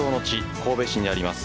神戸市にあります